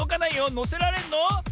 のせられるの？